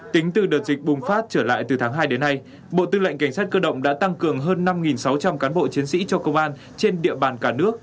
tính từ đợt dịch bùng phát trở lại từ tháng hai đến nay bộ tư lệnh cảnh sát cơ động đã tăng cường hơn năm sáu trăm linh cán bộ chiến sĩ cho công an trên địa bàn cả nước